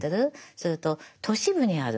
それと都市部にある。